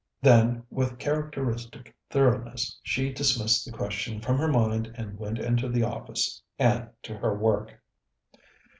Then, with characteristic thoroughness, she dismissed the question from her mind and went into the office and to her work.